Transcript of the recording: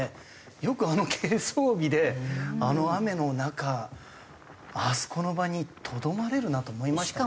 よくあの軽装備であの雨の中あそこの場にとどまれるなあと思いましたね。